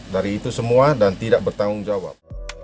dari itu semua dan tidak bertanggung jawab